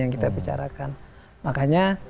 yang kita bicarakan makanya